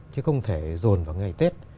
chứ không thể dồn vào ngày tết